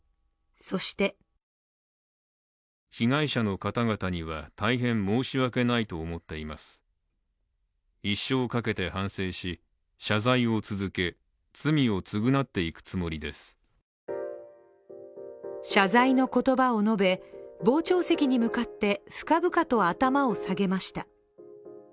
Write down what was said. そして謝罪の言葉を述べ、傍聴席に向かって深々と頭を下げました。